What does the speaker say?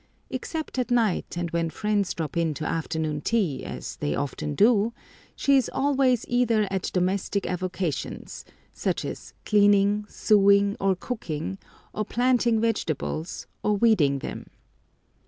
Except at night, and when friends drop in to afternoon tea, as they often do, she is always either at domestic avocations, such as cleaning, sewing, or cooking, or planting vegetables, or weeding them.